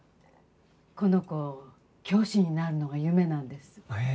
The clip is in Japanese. この子教師になるのが夢なんです。